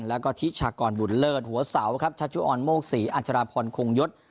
แล้วก็ทิชากรบุญเลิศหัวเสาครับชัชชุออนโมกศรีอัชราพรคงยศ